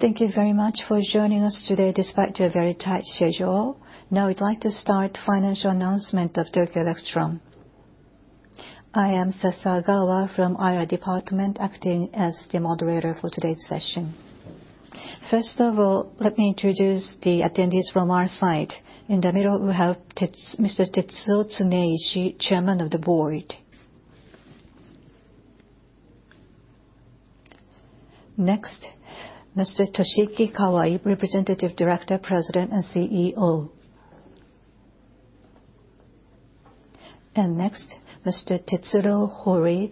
Thank you very much for joining us today despite your very tight schedule. I'd like to start financial announcement of Tokyo Electron. I am Sasagawa from IR Department, acting as the moderator for today's session. Let me introduce the attendees from our side. In the middle, we have Mr. Tetsuo Tsuneishi, Chairman of the Board. Next, Mr. Toshiki Kawai, Representative Director, President, and CEO. Next, Mr. Tetsuro Hori,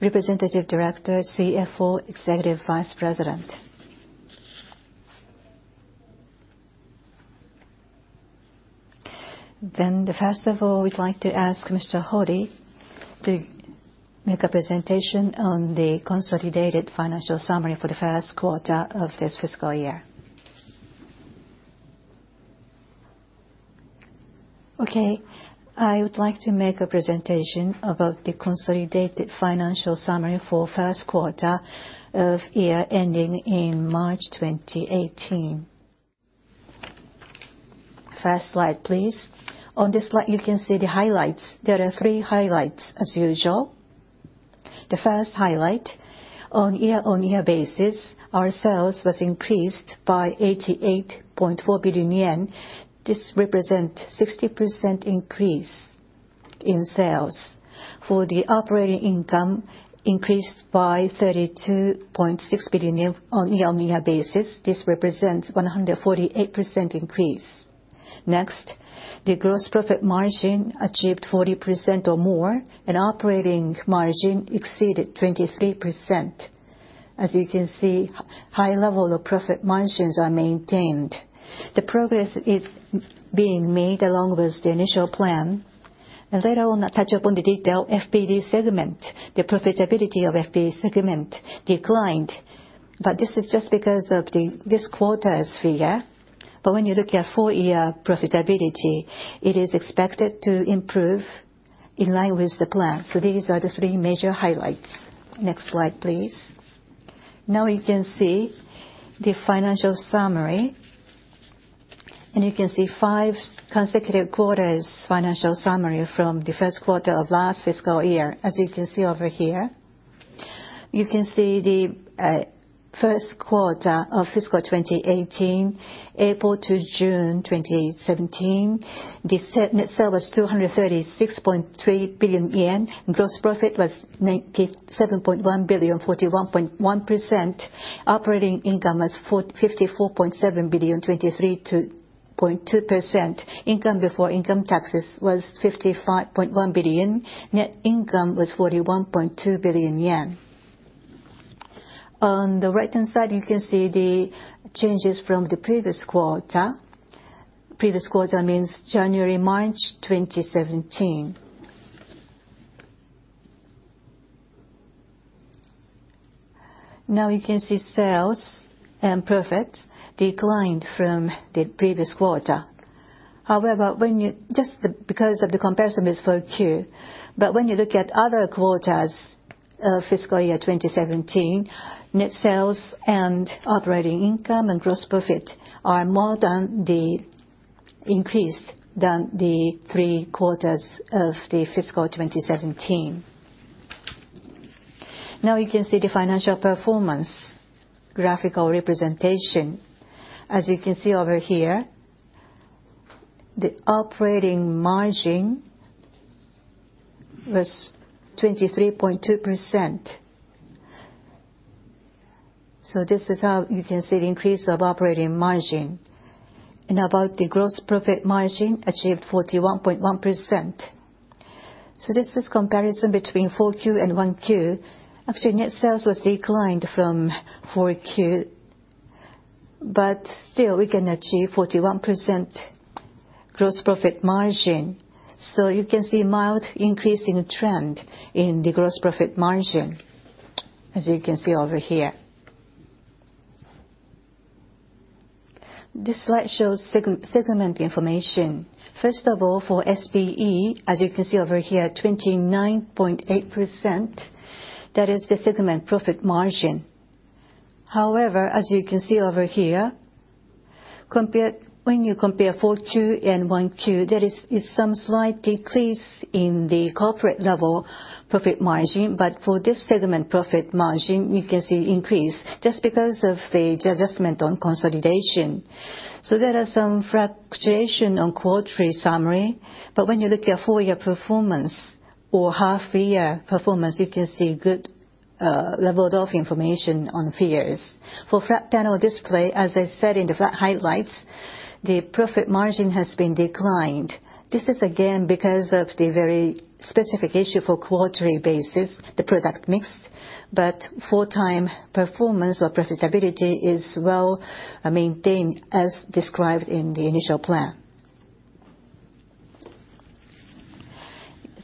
Representative Director, CFO, Executive Vice President. We'd like to ask Mr. Hori to make a presentation on the consolidated financial summary for the first quarter of this fiscal year. I would like to make a presentation about the consolidated financial summary for first quarter of year ending in March 2018. First slide, please. On this slide, you can see the highlights. There are three highlights, as usual. The first highlight, on a year-over-year basis, our sales increased by 88.4 billion yen. This represents 60% increase in sales. The operating income increased by 32.6 billion on a year-over-year basis. This represents 148% increase. The gross profit margin achieved 40% or more, and operating margin exceeded 23%. As you can see, high level of profit margins are maintained. The progress is being made along with the initial plan. Later on, I'll touch upon the detailed FPD segment, the profitability of FPD segment declined. This is just because of this quarter's figure. When you look at full-year profitability, it is expected to improve in line with the plan. These are the three major highlights. Next slide, please. You can see the financial summary. You can see five consecutive quarters' financial summary from the first quarter of last fiscal year. As you can see over here. You can see the first quarter of fiscal 2018, April to June 2017. The net sales was 236.3 billion yen. Gross profit was 97.1 billion, 41.1%. Operating income was 54.7 billion, 23.2%. Income before income taxes was 55.1 billion. Net income was 41.2 billion yen. On the right-hand side, you can see the changes from the previous quarter. Previous quarter means January to March 2017. You can see sales and profit declined from the previous quarter. Just because of the comparison with 4Q, when you look at other quarters of fiscal year 2017, net sales and operating income and gross profit are more than the increase than the three quarters of the fiscal 2017. You can see the financial performance graphical representation. As you can see over here, the operating margin was 23.2%. This is how you can see the increase of operating margin. About the gross profit margin, achieved 41.1%. This is comparison between 4Q and 1Q. Net sales was declined from 4Q, still we can achieve 41% gross profit margin. You can see mild increasing trend in the gross profit margin, as you can see over here. This slide shows segment information. For SPE, as you can see over here, 29.8%, that is the segment profit margin. As you can see over here, when you compare 4Q and 1Q, there is some slight decrease in the corporate level profit margin. For this segment profit margin, you can see increase just because of the adjustment on consolidation. There are some fluctuation on quarterly summary, but when you look at full year performance or half year performance, you can see good level of information on figures. For flat panel display, as I said in the flat highlights, the profit margin has been declined. This is again because of the very specific issue for quarterly basis, the product mix. Full-time performance or profitability is well maintained as described in the initial plan.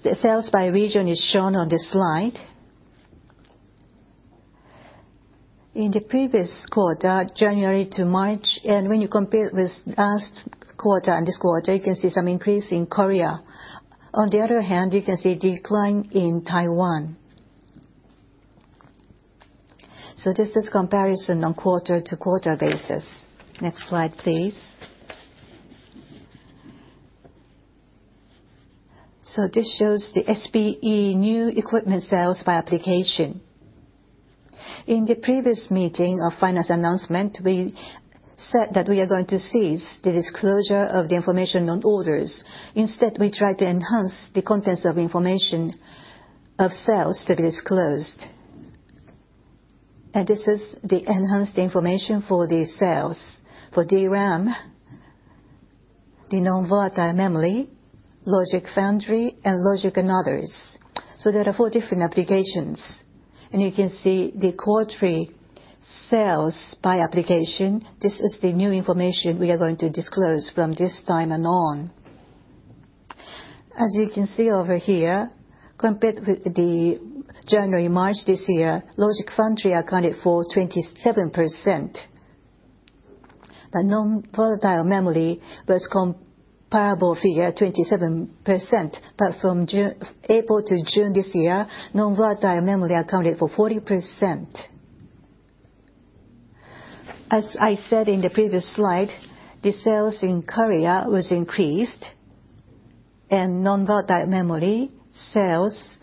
The sales by region is shown on this slide. In the previous quarter, January to March, when you compare with last quarter and this quarter, you can see some increase in Korea. On the other hand, you can see decline in Taiwan. This is comparison on quarter-to-quarter basis. Next slide, please. This shows the SPE new equipment sales by application. In the previous meeting of finance announcement, we said that we are going to cease the disclosure of the information on orders. Instead, we try to enhance the contents of information of sales to be disclosed. This is the enhanced information for the sales. For DRAM, the non-volatile memory, logic foundry, and logic and others. There are four different applications. You can see the quarterly sales by application. This is the new information we are going to disclose from this time and on. As you can see over here, compared with the January and March this year, logic foundry accounted for 27%. The non-volatile memory was comparable figure, 27%, but from April to June this year, non-volatile memory accounted for 40%. As I said in the previous slide, the sales in Korea was increased, and non-volatile memory sales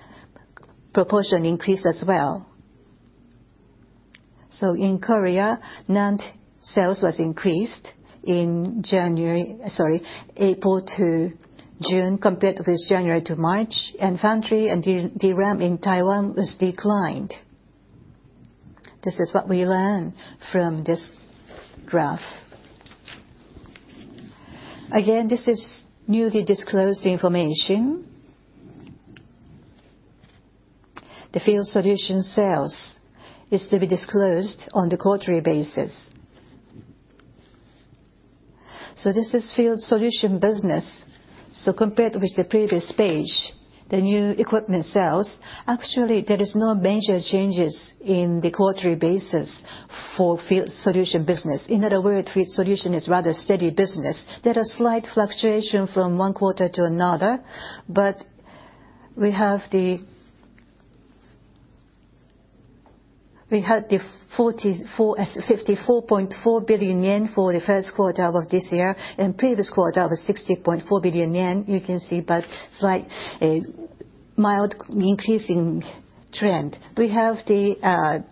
proportion increased as well. In Korea, NAND sales was increased in April to June, compared with January to March, foundry and DRAM in Taiwan was declined. This is what we learn from this graph. Again, this is newly disclosed information. The Field Solution sales is to be disclosed on the quarterly basis. This is Field Solution business. Compared with the previous page, the new equipment sales, actually, there is no major changes in the quarterly basis for Field Solution business. In other words, Field Solution is rather steady business. There are slight fluctuation from one quarter to another, but we had the 54.4 billion yen for the first quarter of this year, and previous quarter was 60.4 billion yen, you can see, but slight, a mild increasing trend. We have the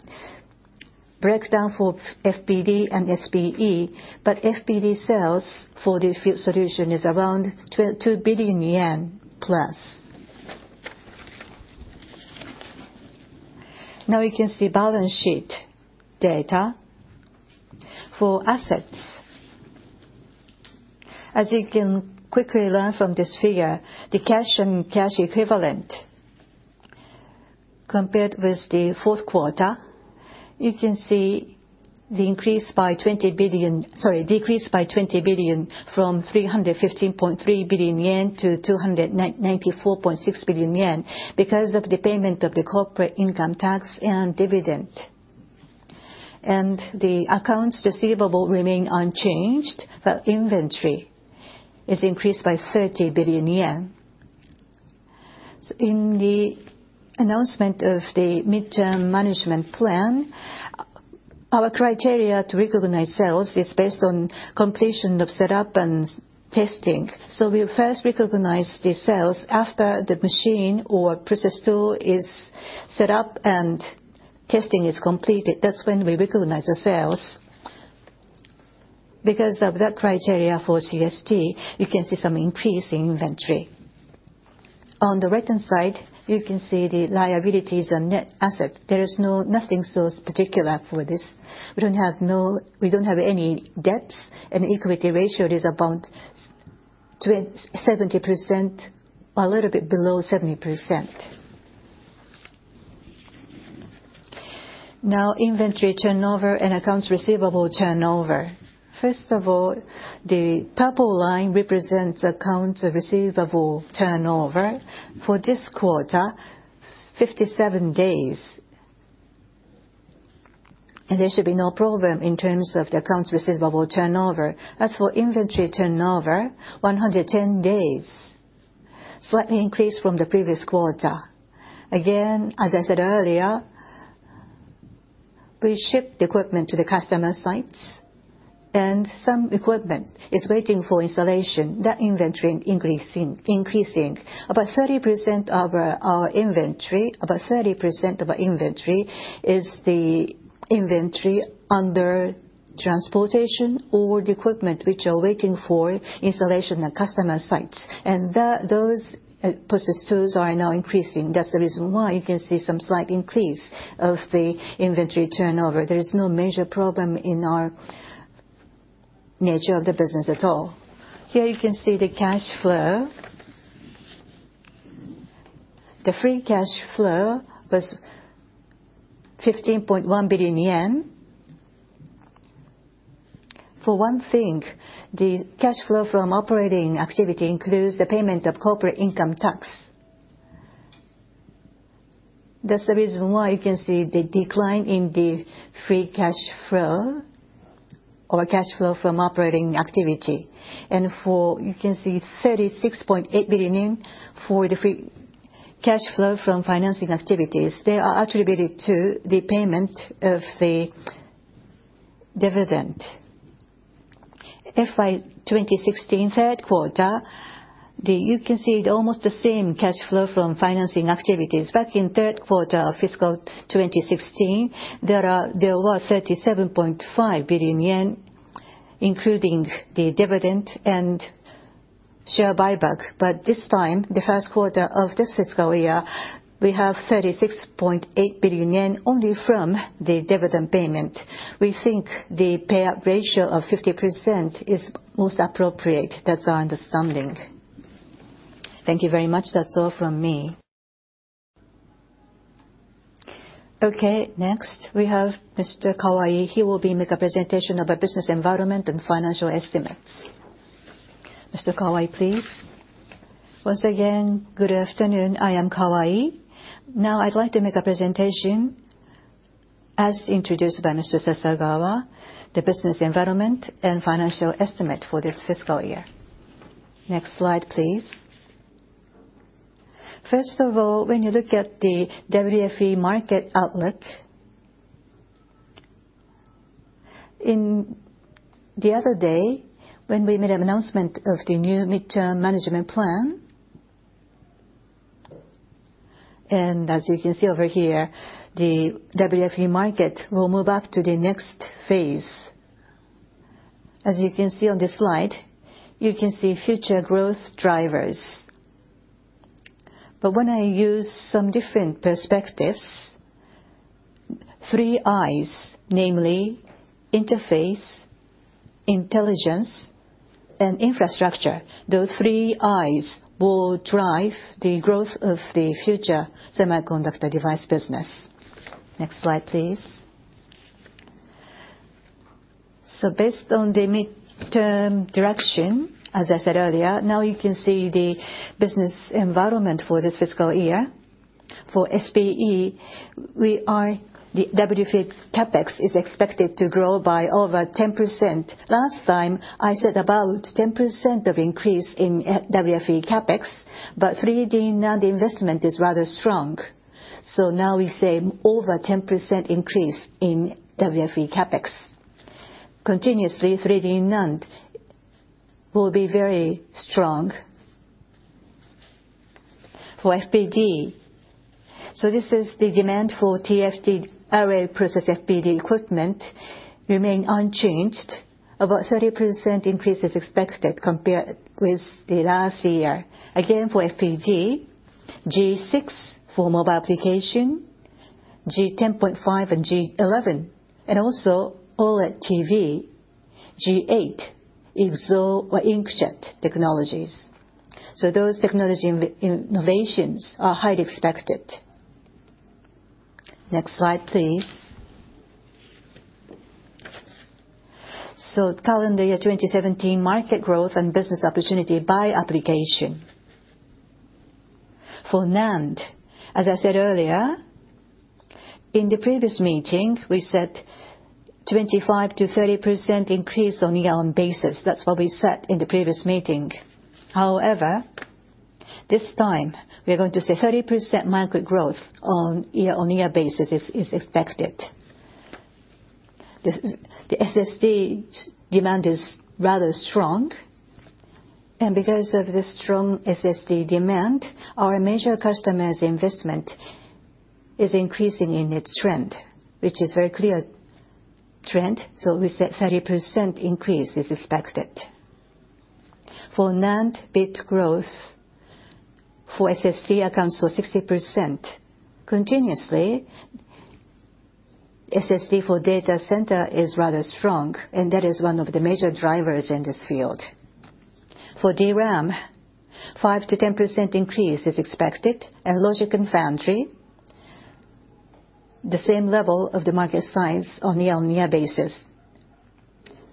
breakdown for FPD and SPE, but FPD sales for the Field Solution is around 2 billion yen plus. Now you can see balance sheet data for assets. As you can quickly learn from this figure, the cash and cash equivalent, compared with the fourth quarter, you can see the decrease by 20 billion from 315.3 billion yen to 294.6 billion yen because of the payment of the corporate income tax and dividend. The accounts receivable remain unchanged, but inventory is increased by 30 billion yen. In the announcement of the midterm management plan, our criteria to recognize sales is based on completion of setup and testing. We first recognize the sales after the machine or process tool is set up and testing is completed. That's when we recognize the sales. Because of that criteria for CST, you can see some increase in inventory. On the right-hand side, you can see the liabilities and net assets. There is nothing so particular for this. We don't have any debts, and equity ratio is about a little bit below 70%. Now, inventory turnover and accounts receivable turnover. First of all, the purple line represents accounts receivable turnover. For this quarter, 57 days. There should be no problem in terms of the accounts receivable turnover. As for inventory turnover, 110 days. Slightly increased from the previous quarter. Again, as I said earlier, we ship the equipment to the customer sites and some equipment is waiting for installation. That inventory increasing. About 30% of our inventory is the inventory under transportation or the equipment which are waiting for installation at customer sites. Those process tools are now increasing. That's the reason why you can see some slight increase of the inventory turnover. There is no major problem in our nature of the business at all. Here you can see the cash flow. The free cash flow was JPY 15.1 billion. For one thing, the cash flow from operating activity includes the payment of corporate income tax. That's the reason why you can see the decline in the free cash flow our cash flow from operating activity. You can see 36.8 billion for the free cash flow from financing activities. They are attributed to the payment of the dividend. FY 2016 third quarter, you can see almost the same cash flow from financing activities. In third quarter of fiscal 2016, there were 37.5 billion yen, including the dividend and share buyback. This time, the first quarter of this fiscal year, we have 36.8 billion yen only from the dividend payment. We think the payout ratio of 50% is most appropriate. That's our understanding. Thank you very much. That's all from me. Okay. Next, we have Mr. Kawai. He will make a presentation of our business environment and financial estimates. Mr. Kawai, please. Once again, good afternoon. I am Kawai. I'd like to make a presentation as introduced by Mr. Sasagawa, the business environment and financial estimate for this fiscal year. Next slide, please. First of all, when you look at the WFE market outlook, the other day when we made an announcement of the new midterm management plan, as you can see over here, the WFE market will move up to the next phase. As you can see on this slide, you can see future growth drivers. When I use some different perspectives, three I's, namely interface, intelligence, and infrastructure. Those three I's will drive the growth of the future semiconductor device business. Next slide, please. Based on the midterm direction, as I said earlier, you can see the business environment for this fiscal year. For SPE, the WFE CapEx is expected to grow by over 10%. Last time, I said about 10% of increase in WFE CapEx, 3D NAND investment is rather strong. Now we say over 10% increase in WFE CapEx. Continuously, 3D NAND will be very strong. For FPD, this is the demand for TFT array process FPD equipment remain unchanged. About 30% increase is expected compared with the last year. Again, for FPD, G6 for mobile application, G10.5 and G11, also OLED TV, G8 exhaust or inkjet technologies. Those technology innovations are highly expected. Next slide, please. Calendar year 2017 market growth and business opportunity by application. For NAND, as I said earlier, in the previous meeting, we said 25%-30% increase on year-on-year basis. That's what we said in the previous meeting. However, this time we are going to say 30% market growth on year-on-year basis is expected. The SSD demand is rather strong, and because of the strong SSD demand, our major customer's investment is increasing in its trend, which is very clear trend. We said 30% increase is expected. For NAND bit growth for SSD accounts for 60%. Continuously, SSD for data center is rather strong, and that is one of the major drivers in this field. For DRAM, 5%-10% increase is expected. Logic and foundry, the same level of the market size on year-on-year basis.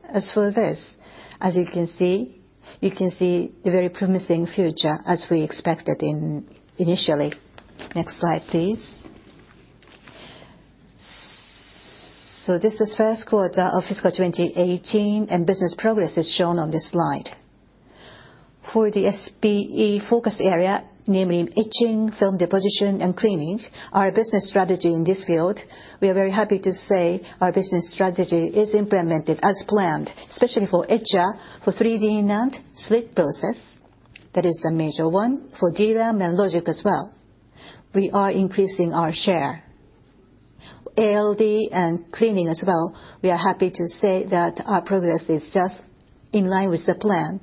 As for this, as you can see, you can see a very promising future as we expected initially. Next slide, please. This is first quarter of fiscal 2018, and business progress is shown on this slide. For the SPE focus area, namely etching, film deposition, and cleaning, our business strategy in this field, we are very happy to say our business strategy is implemented as planned, especially for etcher, for 3D NAND, slit process. That is a major one. For DRAM and logic as well, we are increasing our share. ALD and cleaning as well, we are happy to say that our progress is just in line with the plan.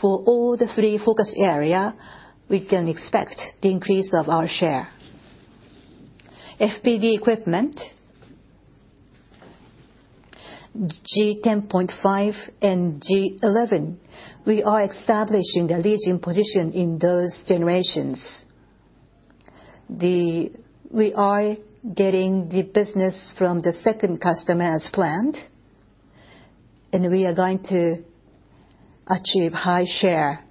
For all the three focus area, we can expect the increase of our share. FPD equipment, G10.5 and G11. We are establishing a leading position in those generations. We are getting the business from the second customer as planned, and we are going to achieve high share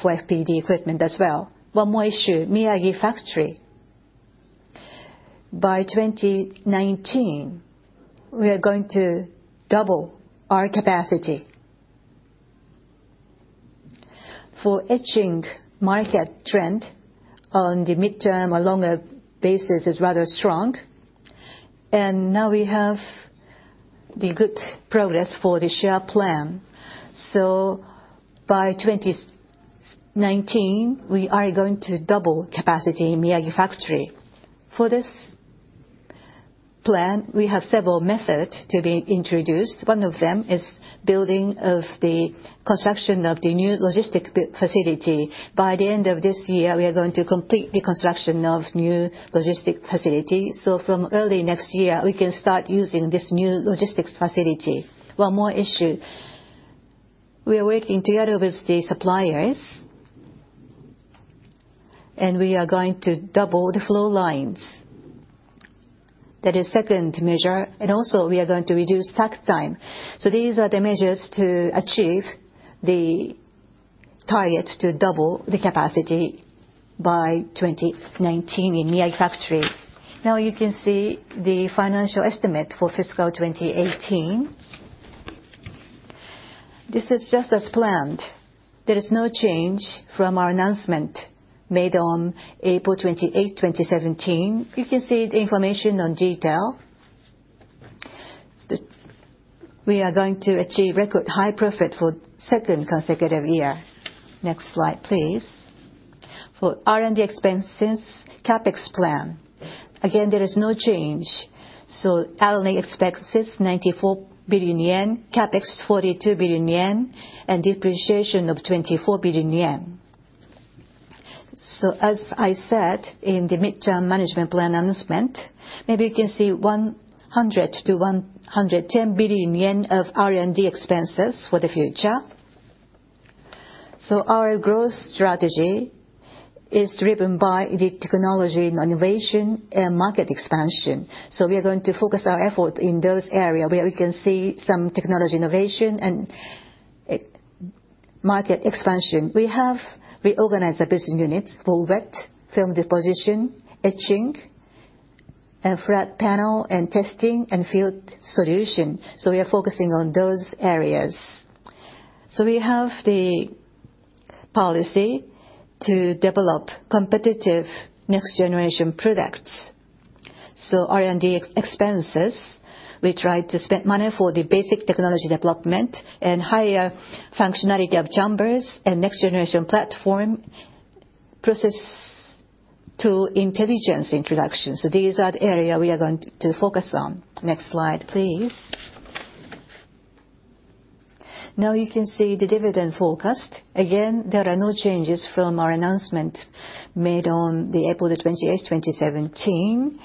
for FPD equipment as well. One more issue, Miyagi factory. By 2019, we are going to double our capacity. For etching market trend on the midterm or longer basis is rather strong, and now we have the good progress for the share plan. By 2019, we are going to double capacity in Miyagi factory. For this plan, we have several methods to be introduced. One of them is building of the construction of the new logistics facility. By the end of this year, we are going to complete the construction of new logistics facility. From early next year, we can start using this new logistics facility. One more issue, we are working together with the suppliers, and we are going to double the flow lines. That is second measure. Also, we are going to reduce takt time. These are the measures to achieve the target to double the capacity by 2019 in Miyagi factory. Now you can see the financial estimate for fiscal 2018. This is just as planned. There is no change from our announcement made on April 28th, 2017. You can see the information on detail. We are going to achieve record high profit for second consecutive year. Next slide, please. For R&D expenses, CapEx plan, again, there is no change. Annually expenses, 94 billion yen, CapEx, 42 billion yen, and depreciation of 24 billion yen. As I said in the mid-term management plan announcement, maybe you can see 100 billion-110 billion yen of R&D expenses for the future. Our growth strategy is driven by the technology innovation and market expansion. We are going to focus our effort in those area where we can see some technology innovation and market expansion. We have reorganized the business units for wet film deposition, etching, and flat panel and testing and Field Solution. We are focusing on those areas. We have the policy to develop competitive next-generation products. R&D expenses, we try to spend money for the basic technology development and higher functionality of chambers and next-generation platform, process to intelligence introduction. These are the area we are going to focus on. Next slide, please. Now you can see the dividend forecast. Again, there are no changes from our announcement made on the April 28th, 2017.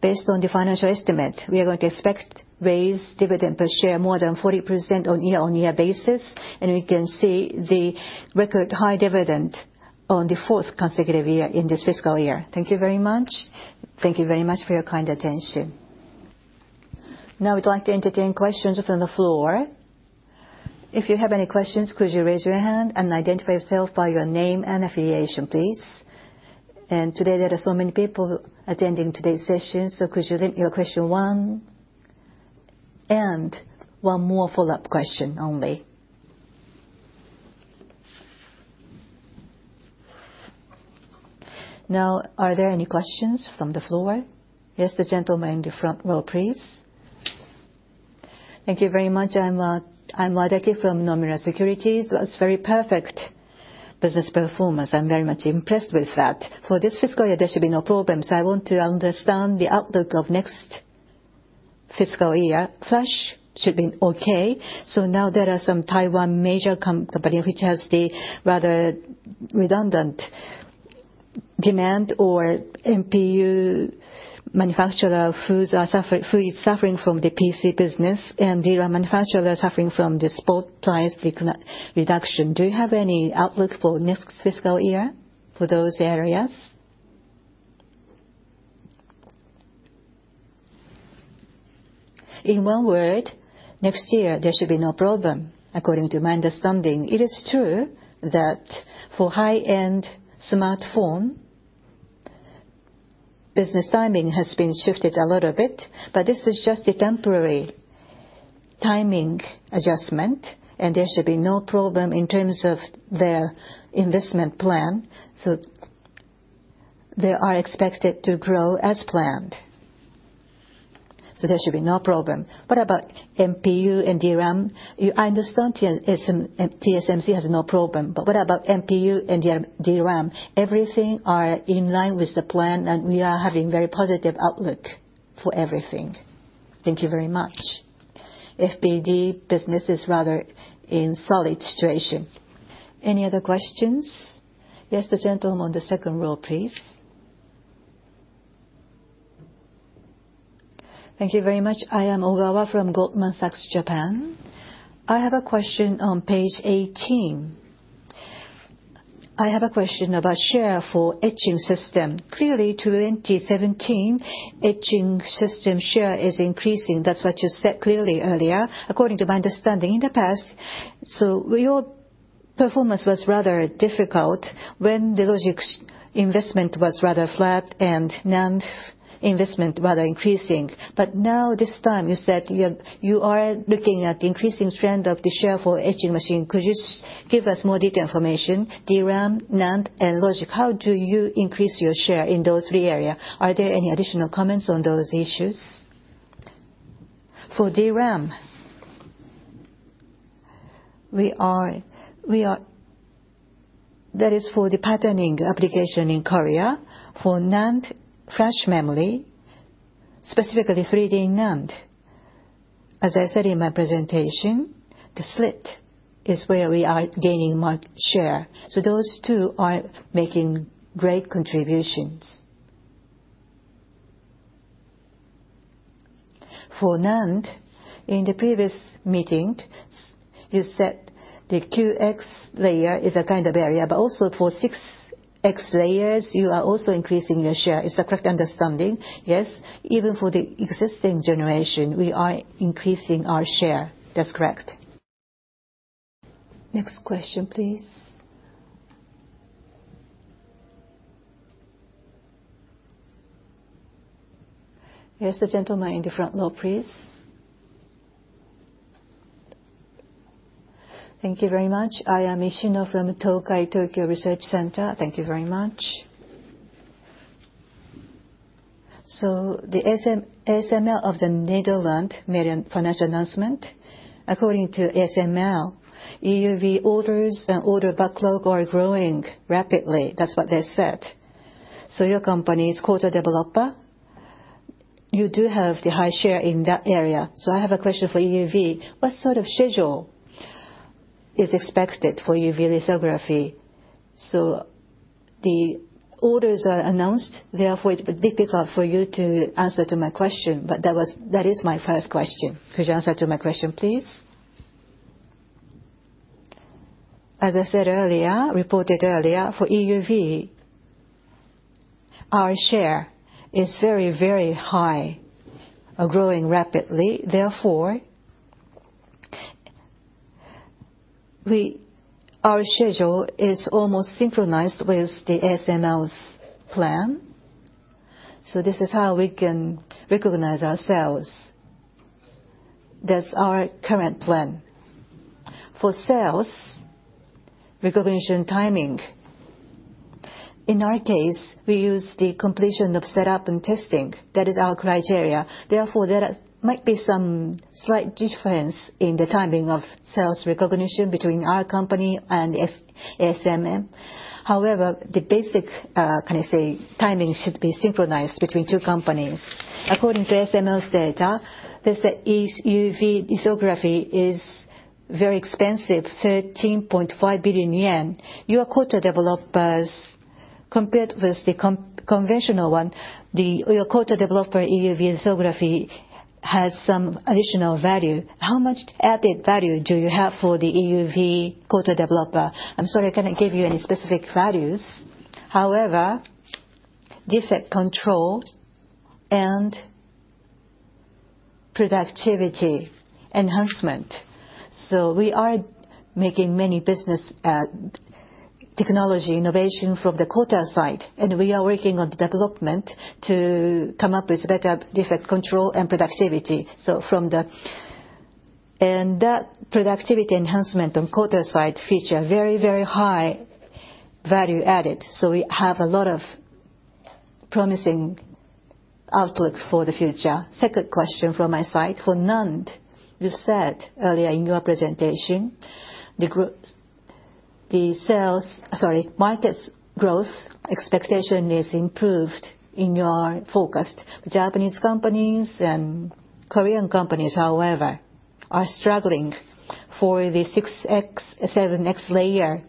Based on the financial estimate, we are going to expect raise dividend per share more than 40% on a year-on-year basis, and we can see the record high dividend on the fourth consecutive year in this fiscal year. Thank you very much. Thank you very much for your kind attention. Now I would like to entertain questions from the floor. If you have any questions, could you raise your hand and identify yourself by your name and affiliation, please. Today there are so many people attending today's session, could you limit your question one, and one more follow-up question only. Now, are there any questions from the floor? Yes, the gentleman in the front row, please. Thank you very much. I'm Shigeki from Nomura Securities. That was very perfect business performance. I'm very much impressed with that. For this fiscal year, there should be no problems. I want to understand the outlook of next fiscal year. Flash should be okay. Now there are some Taiwan major company, which has the rather redundant demand or MPU manufacturer who is suffering from the PC business, and DRAM manufacturer suffering from the spot price reduction. Do you have any outlook for next fiscal year for those areas? In one word, next year there should be no problem, according to my understanding. It is true that for high-end smartphone, business timing has been shifted a little bit, but this is just a temporary timing adjustment, and there should be no problem in terms of their investment plan. They are expected to grow as planned. There should be no problem. What about MPU and DRAM? I understand TSMC has no problem, but what about MPU and DRAM? Everything are in line with the plan, and we are having very positive outlook for everything. Thank you very much. FPD business is rather in solid situation. Any other questions? Yes, the gentleman on the second row, please. Thank you very much. I am Ogawa from Goldman Sachs Japan. I have a question on page 18. I have a question about share for etching system. Clearly 2017, etching system share is increasing. That's what you said clearly earlier. According to my understanding in the past, we all Performance was rather difficult when the logic's investment was rather flat and NAND's investment rather increasing. Now this time you said you are looking at increasing trend of the share for etching machine. Could you give us more detailed information? DRAM, NAND, and logic, how do you increase your share in those three areas? Are there any additional comments on those issues? For DRAM, that is for the patterning application in Korea. For NAND flash memory, specifically 3D NAND, as I said in my presentation, the slit is where we are gaining market share. Those two are making great contributions. For NAND, in the previous meeting, you said the 9X layer is a kind of area, but also for 6X layers, you are also increasing your share. Is that correct understanding? Yes. Even for the existing generation, we are increasing our share. That's correct. Next question, please. Yes, the gentleman in the front row, please. Thank you very much. I am Ishino from Tokai Tokyo Research Center. Thank you very much. The ASML of the Netherlands made a financial announcement. According to ASML, EUV orders and order backlog are growing rapidly. That's what they said. Your company is a coater/developer. You do have the high share in that area. I have a question for EUV. What sort of schedule is expected for EUV lithography? The orders are announced, therefore it's difficult for you to answer to my question, but that is my first question. Could you answer to my question, please? As I said earlier, reported earlier, for EUV, our share is very, very high, growing rapidly. Therefore, our schedule is almost synchronized with the ASML's plan. This is how we can recognize our sales. That's our current plan. For sales recognition timing, in our case, we use the completion of setup and testing. That is our criteria. Therefore, there might be some slight difference in the timing of sales recognition between our company and ASML. However, the basic, can I say, timing should be synchronized between two companies. According to ASML's data, they say EUV lithography is very expensive, 13.5 billion yen. Your coater/developers, compared with the conventional one, your coater/developer EUV lithography has some additional value. How much added value do you have for the EUV coater/developer? I'm sorry, I cannot give you any specific values. However, defect control and productivity enhancement. We are making many business technology innovation from the coater side, and we are working on development to come up with better defect control and productivity. That productivity enhancement on coater side feature very, very high value added. We have a lot of promising outlook for the future. Second question from my side. For NAND, you said earlier in your presentation, the market growth expectation is improved in your forecast. Japanese companies and Korean companies, however, are struggling for the 6X, 7X layer.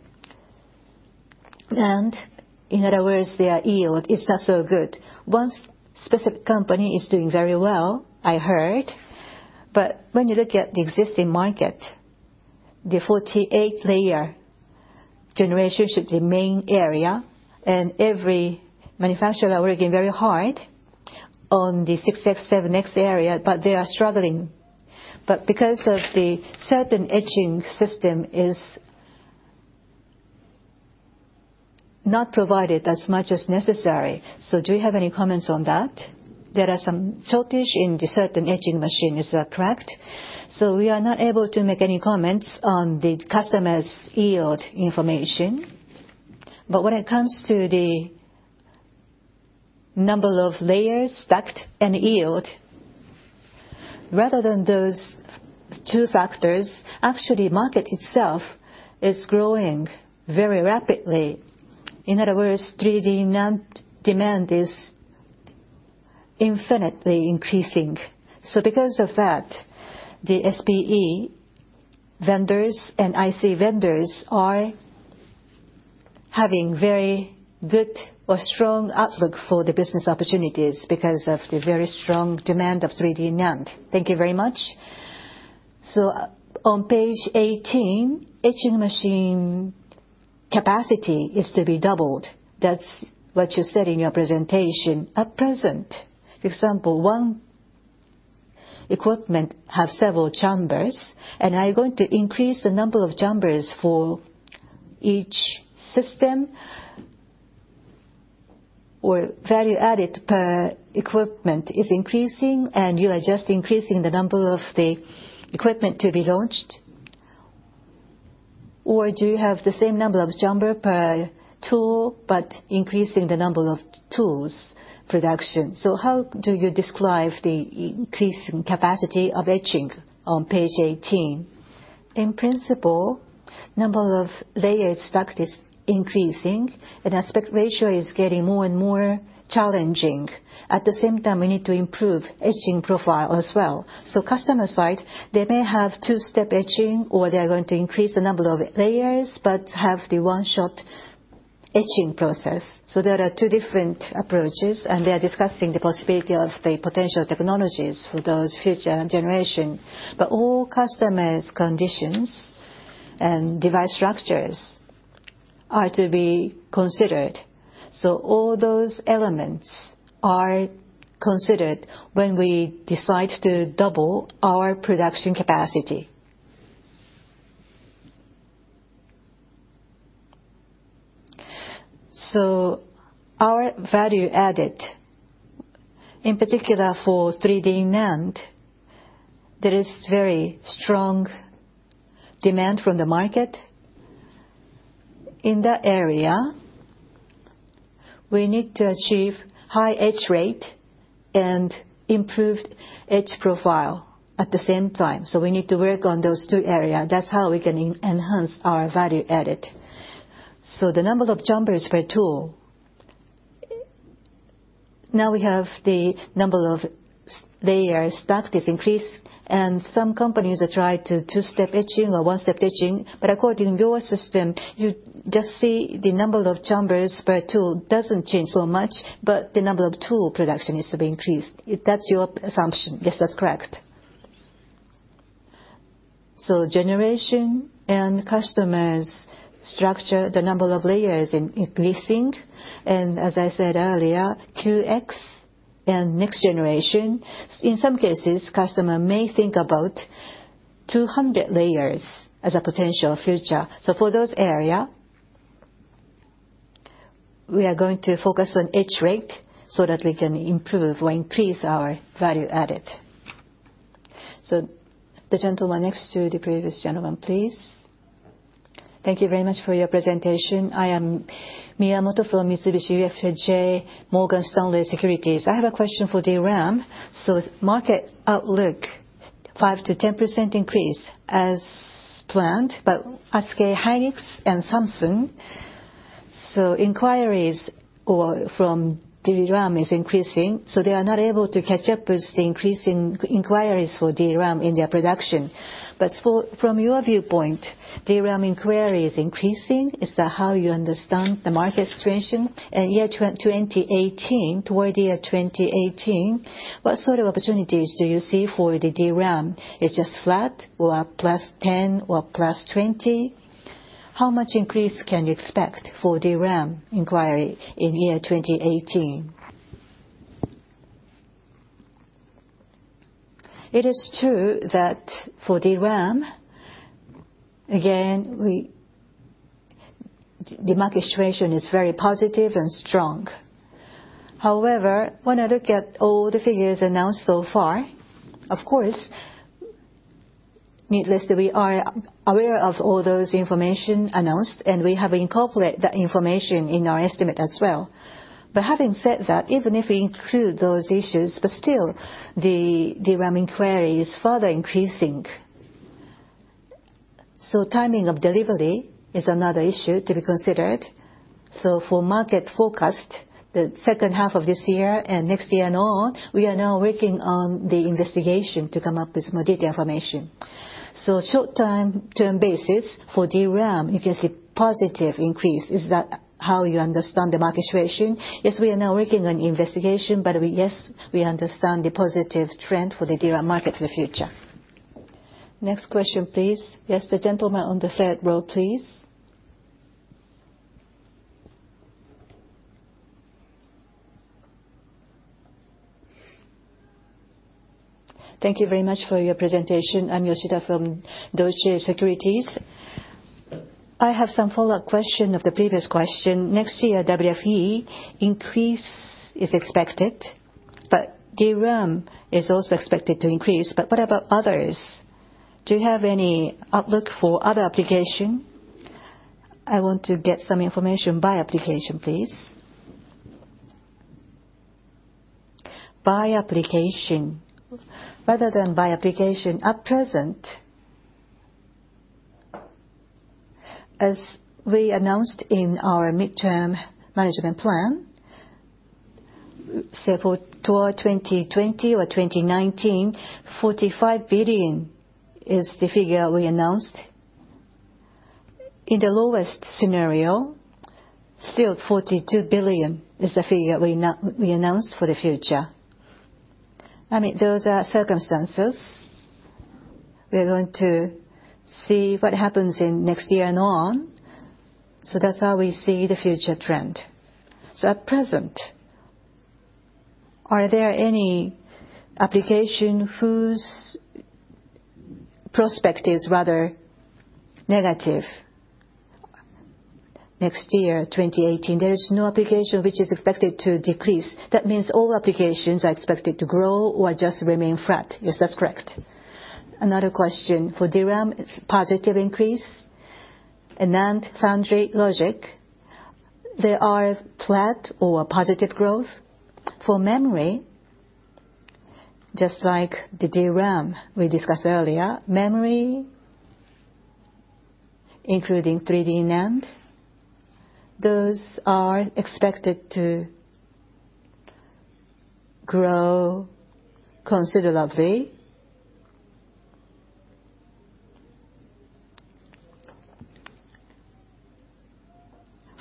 In other words, their yield is not so good. One specific company is doing very well, I heard. When you look at the existing market, the 48 layer generation should be main area, and every manufacturer are working very hard on the 6X, 7X area, but they are struggling. Because of the certain etching system is not provided as much as necessary. Do you have any comments on that? There are some shortage in the certain etching machine. Is that correct? We are not able to make any comments on the customer's yield information. When it comes to the number of layers stacked and yield, rather than those two factors, actually market itself is growing very rapidly. In other words, 3D NAND demand is infinitely increasing. Because of that, the SPE vendors and IC vendors are having very good or strong outlook for the business opportunities because of the very strong demand of 3D NAND. Thank you very much. On page 18, etching machine capacity is to be doubled. That's what you said in your presentation. At present, example, one equipment have several chambers. Are you going to increase the number of chambers for each system? Value added per equipment is increasing, and you are just increasing the number of the equipment to be launched? Do you have the same number of chamber per tool, but increasing the number of tools production? How do you describe the increase in capacity of etching on page 18? In pri nciple, number of layer stack is increasing. Aspect ratio is getting more and more challenging. At the same time, we need to improve etching profile as well. Customer side, they may have two-step etching, or they are going to increase the number of layers but have the one-shot etching process. There are two different approaches, and they are discussing the possibility of the potential technologies for those future generation. All customers' conditions and device structures are to be considered. All those elements are considered when we decide to double our production capacity. Our value added, in particular for 3D NAND, there is very strong demand from the market. In that area, we need to achieve high etch rate and improved etch profile at the same time. We need to work on those two area. That's how we can enhance our value added. The number of chambers per tool, now we have the number of layer stack is increased. Some companies are trying two-step etching or one-step etching, but according to your system, you just see the number of chambers per tool doesn't change so much, but the number of tool production needs to be increased, if that's your assumption. Yes, that's correct. Generation and customers' structure, the number of layers increasing. As I said earlier, 9X and next generation. In some cases, customer may think about 200 layers as a potential future. For those area, we are going to focus on etch rate so that we can improve or increase our value added. The gentleman next to the previous gentleman, please. Thank you very much for your presentation. I am Miyamoto from Mitsubishi UFJ Morgan Stanley Securities. I have a question for DRAM. Market outlook, 5%-10% increase as planned. SK Hynix and Samsung, inquiries from DRAM is increasing. They are not able to catch up with the increasing inquiries for DRAM in their production. From your viewpoint, DRAM inquiry is increasing. Is that how you understand the market situation? Year 2018, toward year 2018, what sort of opportunities do you see for the DRAM? It's just flat, or +10, or +20? How much increase can you expect for DRAM inquiry in year 2018? It is true that for DRAM, again, the market situation is very positive and strong. However, when I look at all the figures announced so far, of course, needless to say, we are aware of all that information announced, and we have incorporate that information in our estimate as well. Having said that, even if we include those issues, still, the DRAM inquiry is further increasing. Timing of delivery is another issue to be considered. For market forecast, the second half of this year and next year and on, we are now working on the investigation to come up with more detailed information. Short-term basis for DRAM, you can see positive increase. Is that how you understand the market situation? We are now working on the investigation, but yes, we understand the positive trend for the DRAM market for the future. Next question, please. The gentleman on the third row, please. Thank you very much for your presentation. I am Yoshida from Deutsche Securities. I have some follow-up question of the previous question. Next year, WFE increase is expected, DRAM is also expected to increase. What about others? Do you have any outlook for other application? I want to get some information by application, please. By application. Rather than by application, at present, as we announced in our midterm management plan, say for toward 2020 or 2019, 45 billion is the figure we announced. In the lowest scenario, still 42 billion is the figure we announced for the future. Those are circumstances We are going to see what happens in next year and on. That's how we see the future trend. At present, are there any application whose prospect is rather negative? Next year, 2018, there is no application which is expected to decrease. That means all applications are expected to grow or just remain flat. That's correct. Another question. For DRAM, it's positive increase. In NAND, foundry, logic, they are flat or positive growth. For memory, just like the DRAM we discussed earlier, memory, including 3D NAND, those are expected to grow considerably.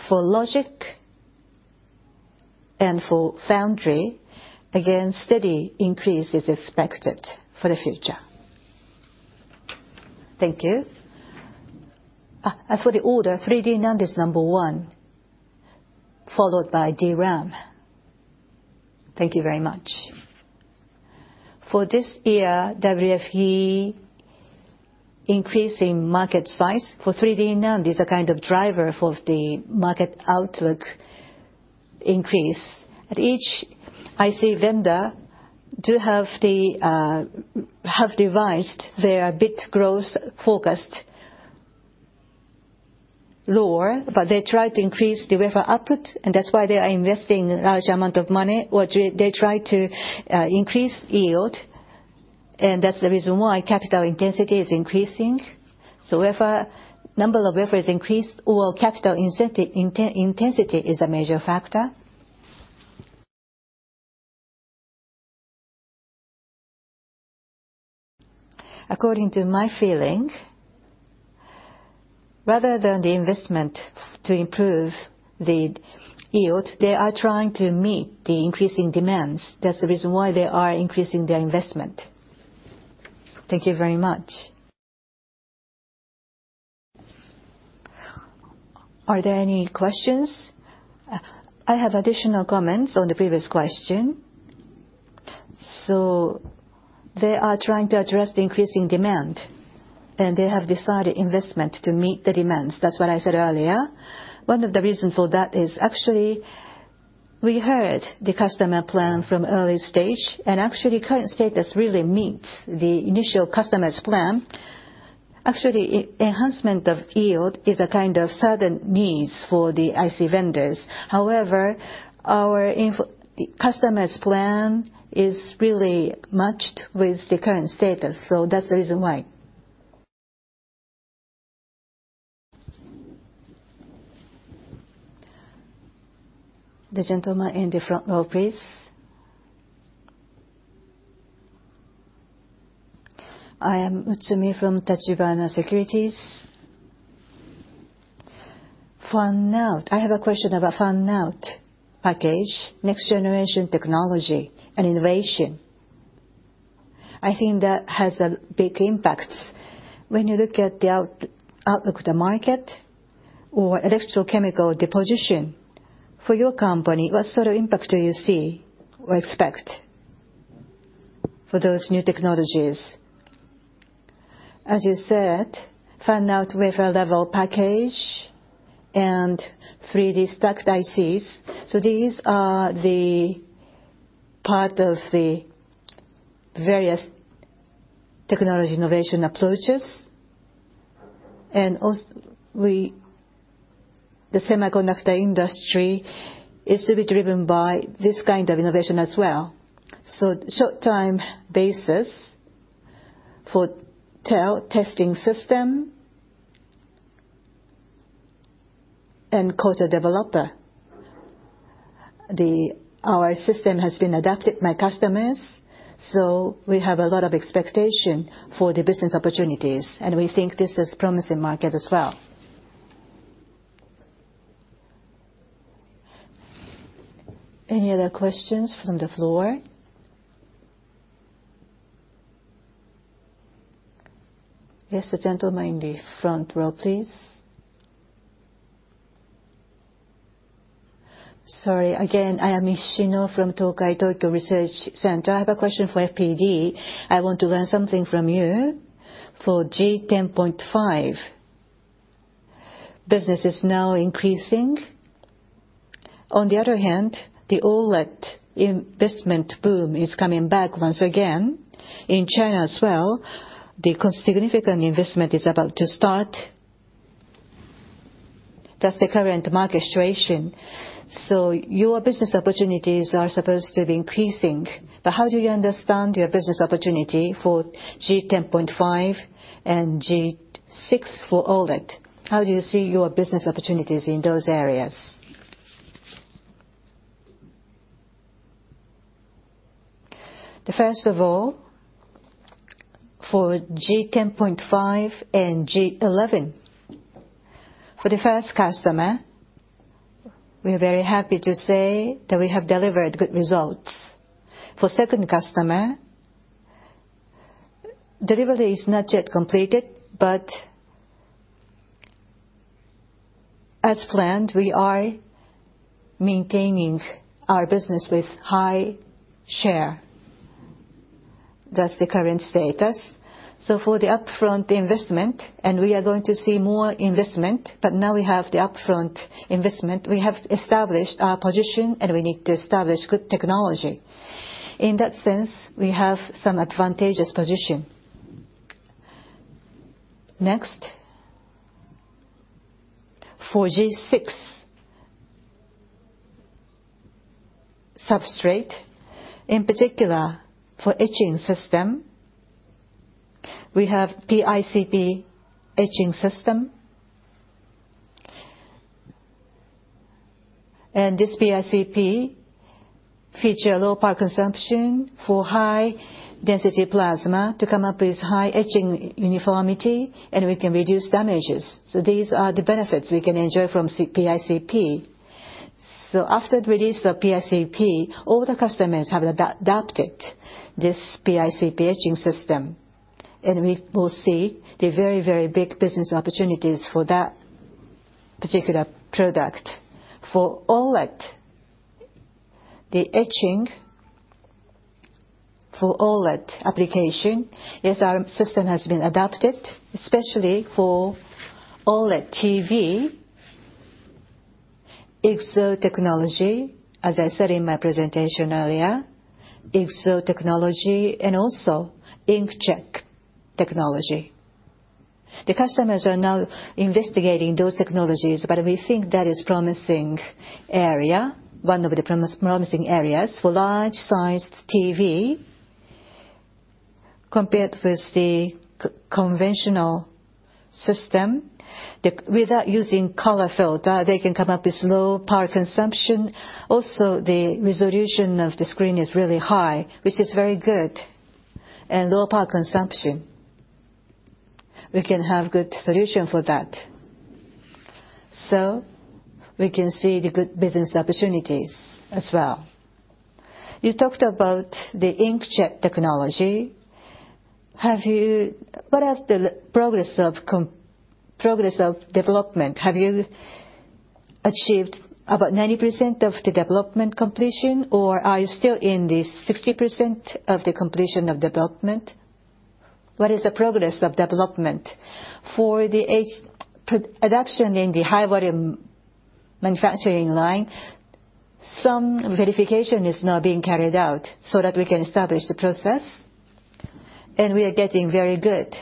For logic and for foundry, again, steady increase is expected for the future. Thank you. As for the order, 3D NAND is number 1, followed by DRAM. Thank you very much. For this year, WFE increase in market size for 3D NAND is a kind of driver for the market outlook increase. At each IC vendor do have devised their bit growth forecast lower, they try to increase the wafer output, and that's why they are investing large amount of money, or they try to increase yield, and that's the reason why capital intensity is increasing. Wafer, number of wafers increased or capital intensity is a major factor. According to my feeling, rather than the investment to improve the yield, they are trying to meet the increasing demands. That's the reason why they are increasing their investment. Thank you very much. Are there any questions? I have additional comments on the previous question. They are trying to address the increasing demand, and they have decided investment to meet the demands. That's what I said earlier. One of the reason for that is actually, we heard the customer plan from early stage, and actually current status really meets the initial customer's plan. Actually, enhancement of yield is a kind of sudden needs for the IC vendors. However, our customer's plan is really matched with the current status, that's the reason why. The gentleman in the front row, please. I am Utsumi from Tachibana Securities. Fan-out. I have a question about fan-out package, next generation technology and innovation. I think that has a big impact. When you look at the out outlook of the market or electrochemical deposition, for your company, what sort of impact do you see or expect for those new technologies? As you said, fan-out wafer level package and 3D stacked ICs. These are the part of the various technology innovation approaches. Also the semiconductor industry is to be driven by this kind of innovation as well. Short time basis for TEL testing system and coater/developer. Our system has been adapted by customers, so we have a lot of expectation for the business opportunities, and we think this is promising market as well. Any other questions from the floor? Yes, the gentleman in the front row, please. Sorry, again, I am Ishino from Tokai Tokyo Research Center. I have a question for FPD. I want to learn something from you. For G10.5, business is now increasing. On the other hand, the OLED investment boom is coming back once again. In China as well, the significant investment is about to start. That's the current market situation. Your business opportunities are supposed to be increasing. How do you understand your business opportunity for G10.5 and G6 for OLED? How do you see your business opportunities in those areas? First of all, for G10.5 and G11. For the first customer, we are very happy to say that we have delivered good results. For second customer, delivery is not yet completed, but as planned, we are maintaining our business with high share. That's the current status. For the upfront investment, and we are going to see more investment, but now we have the upfront investment. We have established our position, and we need to establish good technology. In that sense, we have some advantageous position. Next, for G6 substrate, in particular, for etching system, we have PICP etching system. This PICP feature low power consumption for high density plasma to come up with high etching uniformity, and we can reduce damages. These are the benefits we can enjoy from PICP. After release of PICP, all the customers have adapted this PICP etching system, and we will see the very, very big business opportunities for that particular product. For OLED, the etching for OLED application, yes, our system has been adapted, especially for OLED TV EX Technology, as I said in my presentation earlier, EX Technology and also inkjet technology. The customers are now investigating those technologies, but we think that is promising area, one of the promising areas for large sized TV. Compared with the conventional system, without using color filter, they can come up with low power consumption. Also, the resolution of the screen is really high, which is very good. Low power consumption, we can have good solution for that. We can see the good business opportunities as well. You talked about the inkjet technology. What is the progress of development? Have you achieved about 90% of the development completion, or are you still in the 60% of the completion of development? What is the progress of development? For the adoption in the high volume manufacturing line, some verification is now being carried out so that we can establish the process, and we are getting very good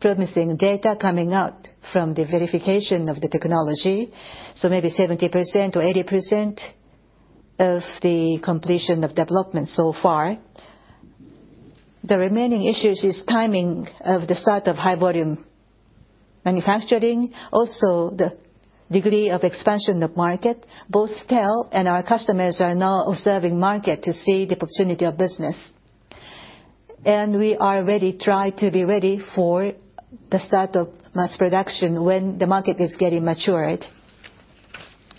promising data coming out from the verification of the technology. Maybe 70% or 80% of the completion of development so far. The remaining issues is timing of the start of high volume manufacturing, also the degree of expansion of market. Both scale and our customers are now observing market to see the opportunity of business. We are ready, try to be ready, for the start of mass production when the market is getting matured.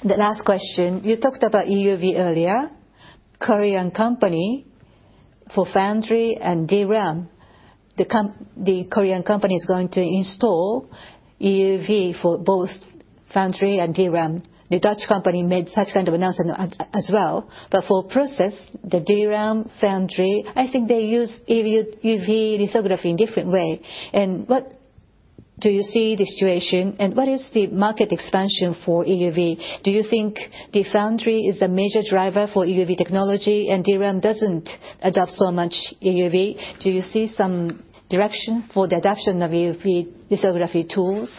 The last question, you talked about EUV earlier. Korean company for foundry and DRAM. Samsung is going to install EUV for both foundry and DRAM. ASML Holding N.V. made such kind of announcement as well. For process, the DRAM foundry, I think they use EUV lithography in different way. What do you see the situation, and what is the market expansion for EUV? Do you think the foundry is a major driver for EUV technology and DRAM doesn't adopt so much EUV? Do you see some direction for the adoption of EUV lithography tools?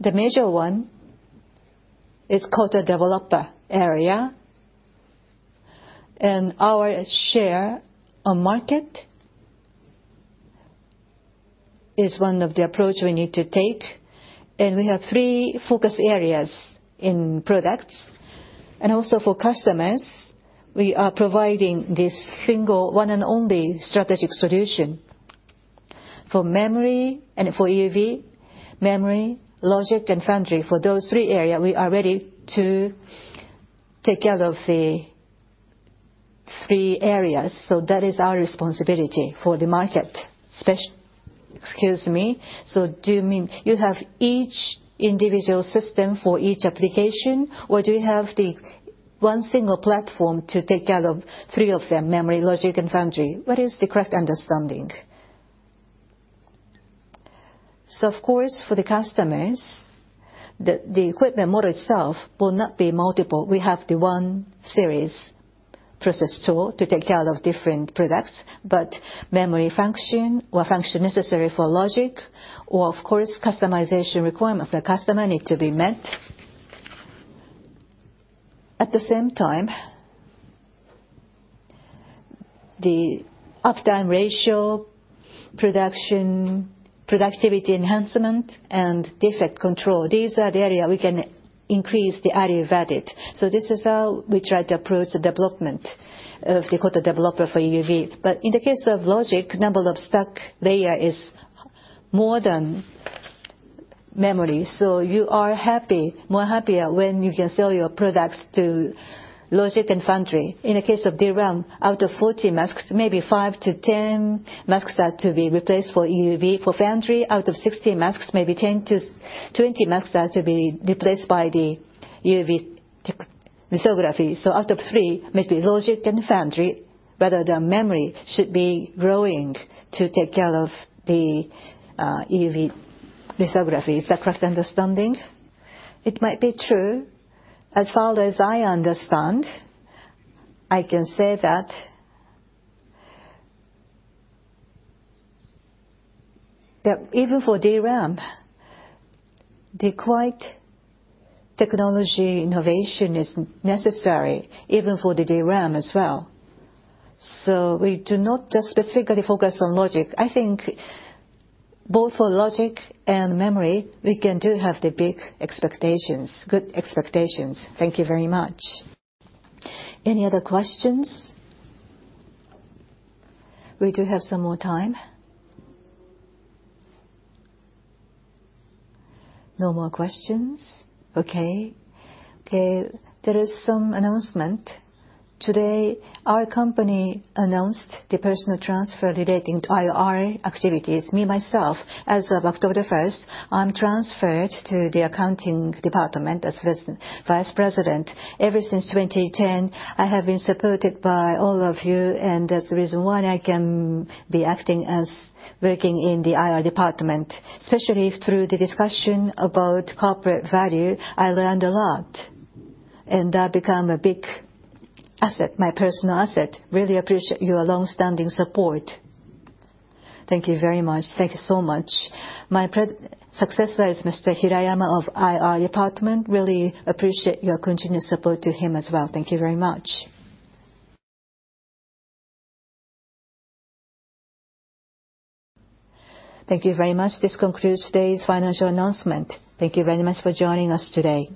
The major one is called a coater/developer area. Our share on market is one of the approach we need to take, and we have three focus areas in products. For customers, we are providing this single one and only strategic solution. Memory, logic, and foundry, for those three area, we are ready to take care of the three areas. That is our responsibility for the market, especially- Excuse me. Do you mean you have each individual system for each application, or do you have the one single platform to take care of three of them, memory, logic, and foundry? What is the correct understanding? Of course, for the customers, the equipment model itself will not be multiple. We have the one series process tool to take care of different products, but memory function or function necessary for logic or, of course, customization requirement for customer need to be met. At the same time, the uptime ratio, productivity enhancement, and defect control, these are the area we can increase the area of added. This is how we try to approach the development of the coater/developer for EUV. In the case of logic, number of stack layer is more than memory. You are more happier when you can sell your products to logic and foundry. In the case of DRAM, out of 40 masks, maybe 5 to 10 masks are to be replaced for EUV. For foundry, out of 60 masks, maybe 10 to 20 masks are to be replaced by the EUV lithography. Out of three, maybe logic and foundry, rather than memory, should be growing to take care of the EUV lithography. Is that correct understanding? It might be true. As far as I understand, I can say that even for DRAM, quite technology innovation is necessary, even for the DRAM as well. We do not just specifically focus on logic. I think both for logic and memory, we can do have the big expectations, good expectations. Thank you very much. Any other questions? We do have some more time. No more questions. Okay. There is some announcement. Today, our company announced the personnel transfer relating to IR activities. Me, myself, as of October the 1st, I'm transferred to the accounting department as Vice President. Ever since 2010, I have been supported by all of you, that's the reason why I can be acting as working in the IR department. Especially through the discussion about corporate value, I learned a lot, that become a big asset, my personal asset. Really appreciate your longstanding support. Thank you very much. Thank you so much. My successor is Mr. Hirakawa of IR department. Really appreciate your continued support to him as well. Thank you very much. Thank you very much. This concludes today's financial announcement. Thank you very much for joining us today.